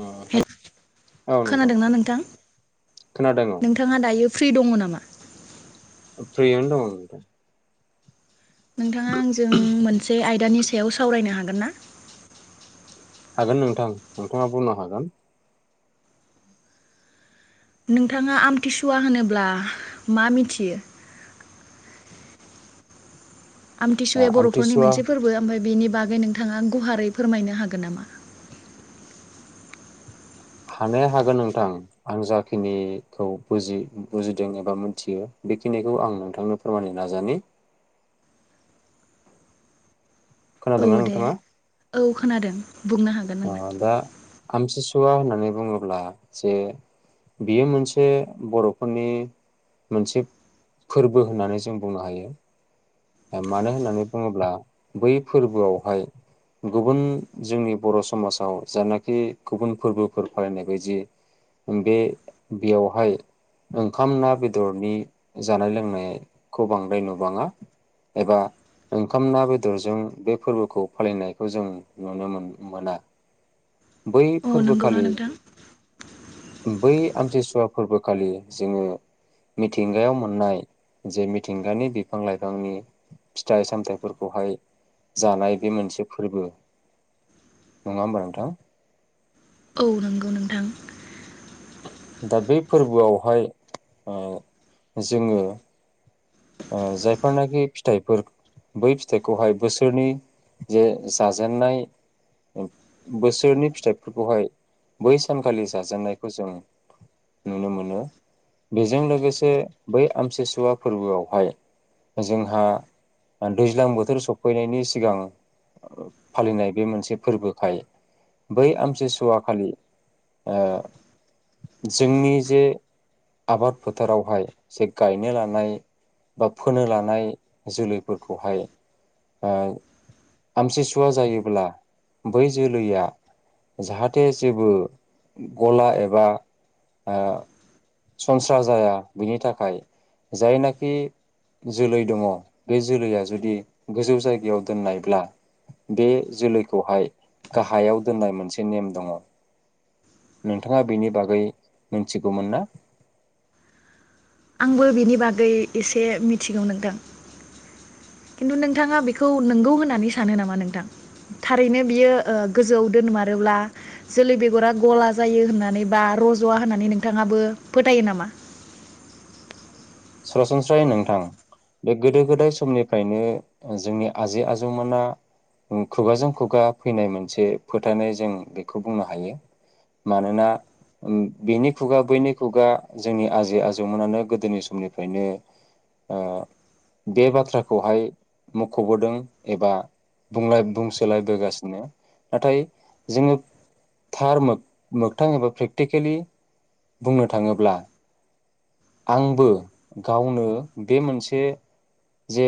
अ hello hello खोनादोंना नोंथां खोनादों औ नोंथाङा दायो फ्रि दङ नामा? फ्रियैनो दङ नोंथाङा आंजों मोनसे आयदानि सा सायाव सावरायनो हागोन ना? हागोन नोंथां नोंथाङा बुंनो हागोन। नोंथाङा आमथिसुवा होनोब्ला मा मिथियो? आमथिसुवाया बर'फोरनि आमथिसुवा मोनसे फोरबो ओमफ्राय बेनि बागै नोंथाङा गुवारै फोरमायनो हागोन नामा? हानाया हागोन नोंथां आं जाखिनिखौ बुजियो बुजिदों एबा मिथियो बेखिनिखौ आं नोंथांनो फोरमायनो नाजानि। औ खोनादोंना दे नोंथाङा औ खोनादों। बुंनो हागोन अ नोंथां। दा आमथिसुवा होननानै बुङोब्ला जे बियो मोनसे बर'फोरनि मोनसे फोरबो होननानै जों बुंनो हायो। मानो होननानै बुङोब्ला बै फोरबोआवहाय गुबुन जोंनि बर' समाजाव जेनाखि गुबुन फोरबोफोर फालिनाय बायदि बे बेवहाय ओंखाम ना बेदरनि जानाय लोंनायखौ बांद्राय नुबाङा। एबा ओंखाम ना बेदरजों बे फोरबोखौ फालिनायखौ जों नुनो मोना। बै अ नंगौना फोरबोखालि नोंथां बै आमथिसुवा फोरबोखालि जोङो मिथिंगायाव मोननाय जे मिथिंगानि बिफां लाइफां नि फिथाइ सामथाइफोरखौहाय जानाय बे मोनसे फोरबो नङा होमबा नोंथां। औ नोंगौ नोंथां। दा बे फोरबोआवहाय ओ जोङो ओ जायफोरनाखि फिथाइफोर बै फिथाइखौहाय बोसोरनि जे जाजेननाय बोसोरनि फिथाइफोरखौहाय बै सानखालि जाजेननायखौ जों नुनो मोनो बेजों लोगोसे बै आमथिसुवा फोरबोआव हाय जोंहा दैज्लां बोथोर सफैनायनि सिगां फालिनाय बे मोनसे फोरबोखाय बै आमथिसुवा खालि ओ जोंनि जे आबाद फोथारावहाय जे गायनो लानाय बा फोनो लानाय जोलैफोरखौहाय आमथिसुवा जायोब्ला बै जोलैया जाहाथे जेबो गला एबा सनस्रा जाया बिनि थाखाय जायना खि जोलै दङ बे जोलैया जुदि गोजौ जायगायाव दोननायब्ला बे जोलैखौहाय गाहायाव दोननाय मोनसे नेम दङ । नोंथाङा बेनि बागै मिथिगौमोन ना? आंबो बिनि बागै एसे मिथिगौ नोंथां । खिन्तु नोंथाङा बेखौ नोंगौ होननानै सानो नामा नोंथां? थारैनो बियो गोजौआव दोनमारोब्ला जोलै बेगरा गला जायो होननानै बा रज'वा होननानै नोंथाङाबो फोथायो नामा? सरासनस्रायै नोंथां बे गोदो गोदाय समनिफ्रायनो जोंनि आजै आजौमोना खुगाजों खुगा फैनाय मोनसे फोथायनाय जों बेखौ बुंनो हायो मानोना बेनि खुगा बैनि खुगा जोंनि आजै आजौमोनानो गोदोनि समनि खायनो ओ बे बाथ्राखौहाय मख'बोदों एबा बुंला -बुंसोलायबोगासिनो नाथाय जोङो थार मो-मोगथां एबा प्रेक्टिकेलि बुंनो थाङोब्ला आंबो गावनो बे मोनसे जे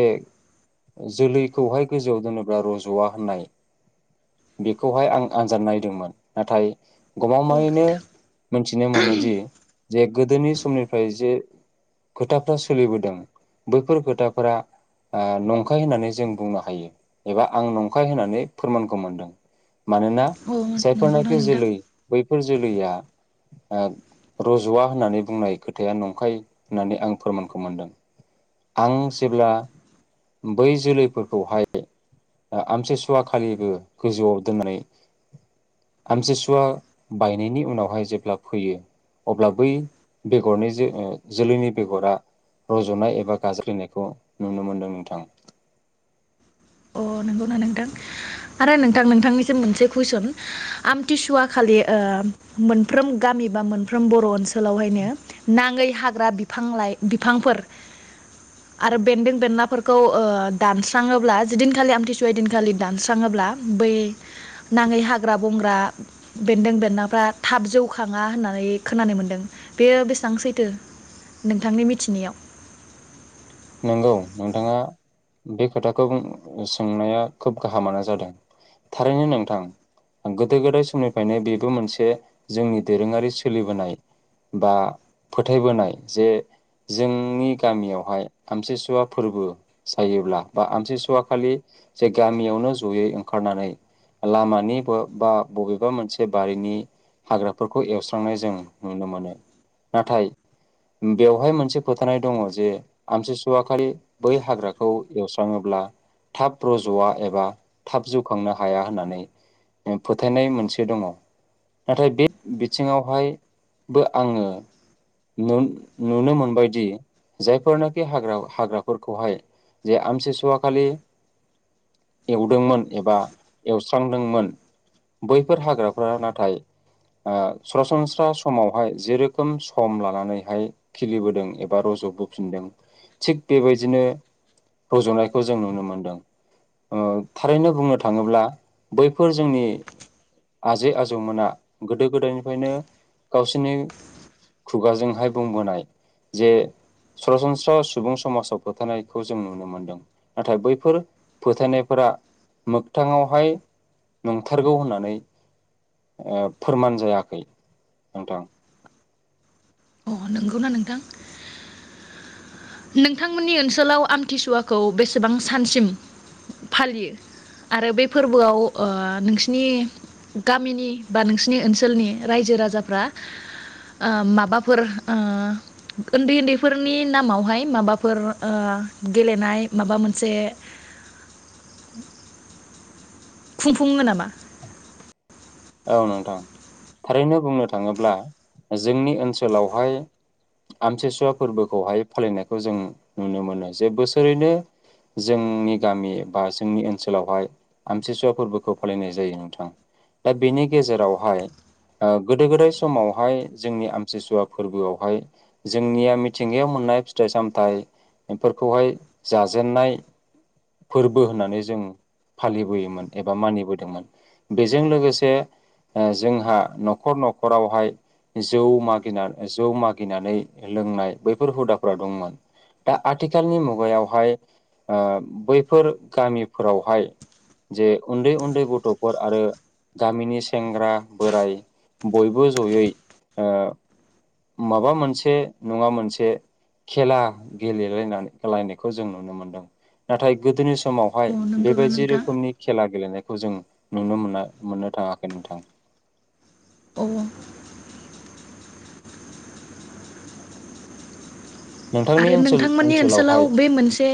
जोलैखौहाय गोजौआव दोनोब्ला रज'वा होननाय बेखौहाय आं आनजाद नायदोंमोन नाथाय औ गमामायैनो नोंथां। मिथिनो मोनोदि जे गोदोनि समनि जे खोथाफ्रा सोलिबोदों बैफोर खोथाफोरा ओ नंखाय होननानै जों बुंनो हायो एबा आं नंखाय होननानै फोरमानखौ मोनदों । मानोना अ नंगौना जायफोरनाखि नोंथां जोलै बैफोर जोलैया रज'वा होननानै बुंनाय खोथाया नंखाय होननानै आं फोरमानखौ मोनदों । आं जेब्ला बै जोलैफोरखौहाय आमथिसुवा खालिबो गोजौआव दोननानै आमथिसुवा बायनायनि उनावहाय जेब्ला फोयो अब्ला बै बेगरनि जे-जोलैनि बेगरा रज'नाय एबा गाज्लायनायखौ नुनो मोनदों नोंथां । अ नोंगौना नोंथां आरो नोंथां नोंथांनिसिम मोनसे कुइसन आमथिसुवा खालि ओ मोनफ्रोम गामि बा मोनफ्रोम बर' ओनसो नसोलावहायनो नाङै हाग्रा बिफां लाय बिफांफोर आरो बेन्दों बेनलाफोरखौ ओ दानस्रांङोब्ला जैदिनखालि आमथिसुवै दिनखालि दानस्राङोब्ला बै नाङै हाग्रा बंग्रा बेन्दों बेननाफ्रा थाब जौखाङा होननानै खोनानो मोनदों बेयो बेसां सैथो नोंथांनि मिथिनायाव? नोंगौ नोंथाङा बे खोथाखौ उम सोंनाया खोब गाहामानो जादों थारैनो नोंथां गोदो गोदाय समनिफायनो बेबो मोनसे जोंनि दोरोङारि सोलिबोनाय बा फोथायबोनाय जे जोंनि गामियावहाय। आमथिसुवा फोर्बो जायोब्ला बा आमथिसुवा खालि जे गामियावनो जयै ओंखारनानै लामानि बो बा बबेबा मोनसे बारिनि हाग्राफोरखौ एवस्रांनाय जों नुनो मोनो नाथाय बेवहाय मोनसे फोथानाय दङ जे आमथिसुवाखलि बै हाग्राखौ एवस्राङोब्ला थाब रजवा एबा थाब जौखांनो हाया होननानै फोथायनाय मोनसे दङ नाथाय बे बिथिङावहायबो आङो नुन-नुनो मोनबायदि जायफोरनो बे हाग्राव हाग्राफोरखौहाय जे आमथिसुवाखालि एवदोंमोन एबा एवस्रांदोंमोन बैफोर हाग्राफोरा नाथाय ओ सरासनस्रा समावहाय जेरोखोम सम लानानैहाय खिलिबोदों एबा रज'बोफिनदों थिग बेबायदिनो रज'नायखौ जों नुनो मोनदों ओ थारैनो बुंनो थाङोब्ला बैफोर जोंनि आजै आजौमोना गोदो गोदायनिफ्रायनो गावसिनि खुगाजोंहाय बुंबोनाय जे सरासन स्रा सुबुं समाजाव फोथानायखौ जों नुनो मोन्दों नाथाय बैफोर फोथायनायफोरा मोगथाङावहाय नोंथारगौ होननानै ओ फोरमान जायाखै नोंथां। अ नोंगौना नोंथां? नोंथांमोननि ओनसोलाव आमथिसुवाखौ बेसेबां सानसिम फालियो आरो बे फोर्बोआव ओ नोंसिनि गामिनि बा नोंसिनि ओनसोलनि रायजो राजाफ्रा ओ माबाफोर ओ ओन्दै ओन्दैफोरनि नामावहाय माबाफोर ओ गेलेनाय माबा मोनसे खुंफुंङो नामा? [inaudible] औ नोंथां, थारैनो बुंनो थाङोब्ला जोंनि ओनसोलावहाय आमथिसुवा फोर्बोखौहाय फालिनायखौ जों नुनो मोनो जे बोसोरैनो जोंनि गामि बा जोंनि ओनसोलावहाय आमथिसुवा फोरबोखौहाय फालिनाय जायो नोंथां। दा बिनि गेजेरावहाय ओ गोदो गोदाय समावहाय जोंनि आमथिसुवा फोर्बोआवहाय जोंनिया मिथिंगायाव मोननाय फिथाइ सामथाइफोरखौहाय जाजेनन्नाय फोर्बो होननानै जों फालिबोयोमोन एबा मानिबोदोंमोन बेजों लोगोसे से ओ जोंहा न'खर न'खरावहाय जौ मागिना जौ मागिनानै लोंनाय बैफोर हुदाफोरा दंमोन दा आथिखालनि मुगायावहाय ओ बैफोर गामिफोरावहाय जे उन्दै उन्दै गथ'फोर आरो गामिनि सेंग्रा बोराय बयबो जयै ओ माबा मोनसे नङा मोनसे खेला गेलेलायनानै लायनायखौ जों नुनो मोनदों नाथाय गोदोनि समाव अ हाय नंगौना बेबादि नोंथां? रोखोमनि खेला गेलेना खौ जों नुनो मोना मोननो थाङाखै नोंथां। अ नोंथांनि आरो ओनसोल नोंथांमोननि ओनसोलाव ओनसोलावहाय बे मोनसे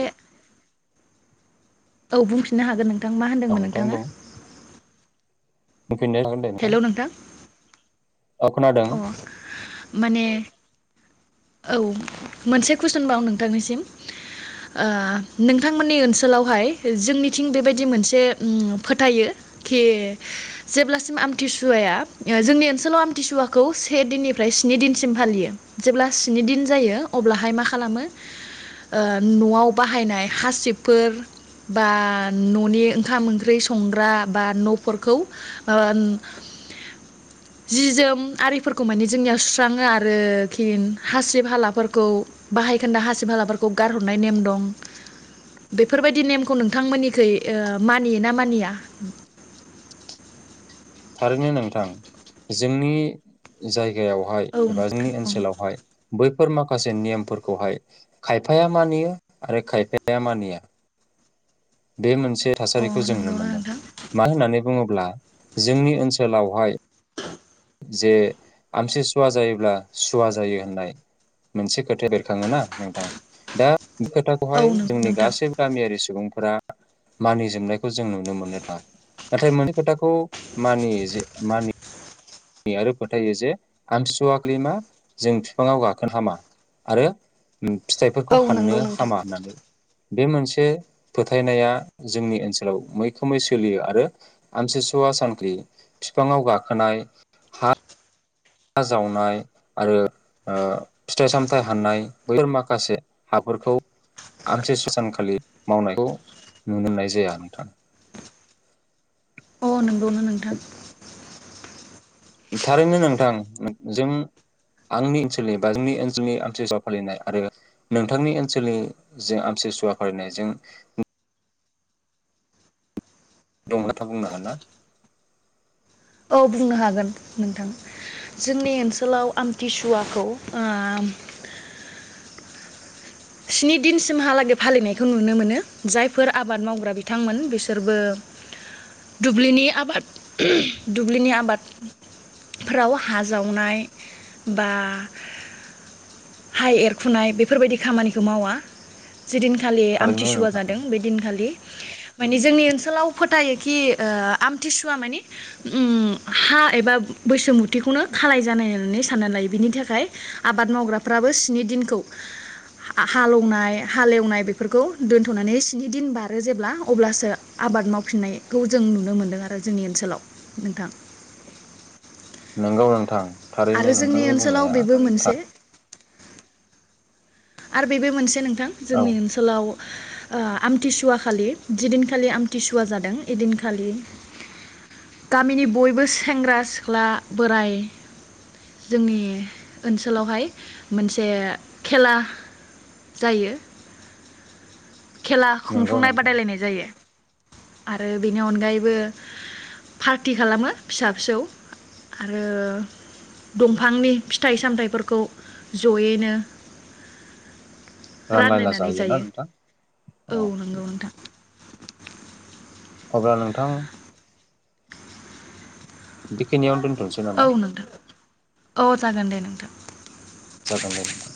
औ बुंफिननो हागोन नों थां मा औ होनदोंमोन नोंथां नोंथाङा? बुं बुंफिननो हागोन दे नोंथां। औ खोनादों अ माने औ मोनसे कुइसन बाव नोंथांनिसिम ओ नोंथांमोननि ओनसोलावहाय जोंनिथिं बेबायदि मोनसे उम फोथायो खि जेब्लासिम आमथिसुवाया ओ जोंनि ओनसोलाव आमथिसुवाखौ से दिननिफ्राय स्नि दिनसिम फालियो जेब्ला स्नि दिन जायो अब्लाहाय मा खालामो ओ न'आव बाहायनाय हासिबफोर बा न'नि ओंखाम ओंख्रि संग्रा बा न'फोरखौ ओन जि जोम आरिफोरखौ मानिे जोंनियाव सुस्राङो आरो खिन हासिब हालाफोरखौ बाहायखोन्दा हासिब हालाफोरखौ गारहरनाय नेम दं बेफोरबायदि नेमखौ नोंथांमोननिखै ओ मानियो ना मानिया थारैनो नोंथां जोंनि जाय यावहाय औ एबा जोंनि नोंथां ओनसोलावहाय बैफोर माखासे नेयमफोरखौहाय खायफाया मानियो आरो खायफाया मानिया बे मोनसे अ थासारिखौ जों नुनो नंगौना मोनदों नोंथां मानो होननानै बुङोब्ला जोंनि ओनसोलावहाय [inaudible] जे आमसि सुवा जायोब्ला सुवा जायो होननाय मोनसेख खोथया बेरखाङो ना नोंथां दा बे औ खोथाखौहाय नंगौ जोंनि नोंथां गासैबो गामियारि सुबुंफो फोरा मानि जोमनायखौ जों नुनो मोननो थाङा नाथाय मोनै खोथा खौ मानियो जे मानि नियो आरो फोथायो जे आमसुवाखालि मा जों फिफाङाव गाखोन हामा आरो औ फिथाइफोरखौ हाननो नंगौ नोंथां हामा होननानै बे मोनसे फोथायनाया जोंनि ओनसोलाव मैखोमै सोलियो आरो आमसिसुवा सानखालि बिफाङाव गाखोनाय हा हा जावनाय आरो ओ फिथाइ सामथाइ हाननाय बैफोर माखासे हाफोरखौ आमसि स सानखालि मावनायखौ नुनो मोननाय जाया नोंथां अ नोंगौनो नोंथां थारैनो नोंथां जों आंनि ओनसोलनि बा जोंनि ओनसोलनि आमथिसुसुवा फालिनाय आरो नोंथांनि ओनसोलनि जों आमतुसुवा फालिनायजों दं नथा बुंनो हाग ना? औ बुंनो हागोन नोंथां जोंनि ओनसोलाव आमथिसुवाखौ ओ स्नि दिनसिमहालागै फालिनायखौ नुनो मोनो जायफोर आबाद मावग्रा बिथांमोन बिसोरबो दुब्लिनि आबाद दुब्लिनि आबाद फोराव हा जावनाय बा हा एरखुनाय बेफोरबायदि खामानि खोमावा जिदिनखालि थारैनो आमथिसुवा नोंथां जादों बे दिनखालि मानि जोंनि ओनसोलाव फोथायोखि ओ आमथिसुवा मानि ओम हा एबा बैसुमुथिखौनो खालाय जानाय होननानै सानना लायो बिनि थाखाय आबाद मावग्राफ्राबो स्नि दिनखौ हालेवनाय हालेवनाय बेफोरखौ दोनथ'नानै स्नि दिन बारो जेब्ला अब्लासो आबाद मावफिननायखौ जों नुनो मोनदों आरो जोंनि ओनसोलाव नोंथां नोंगौ नोंथां थारैनो आरो जोंनि नोंथांनि ओनसोलाव बुंनाया बेबो थार मोनसे आरो बेबो मोनसे नों थां औ जोंनि ओनसोलाव ओ आमथिसुवा खालि जिदिनखालि आमथिसुवा जादों इदिनखालि गामिनि बयबो सेंग्रा सिख्ला बोराय जोंनि ओनसोलावहाय मोनसे खेला जायो खेला नंगौ खुंफुंनाय नोंथां बादायलायनाय जायो आरो बेनि अनगायैबो पार्टि खालामो फिसा फिसौ आरो दंफांनि फिथाइ सामथायाइफोरखौ जयैनो रानलायना जायो ना नोंथां औ नंगौ नोंथां अब्ला नोंथां। दिख नियावनो दोनथसै औ नामा? नोंथां औ जागोन दे नोंथां। जागोन दे नोंथां।